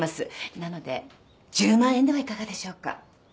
なので１０万円ではいかがでしょうか？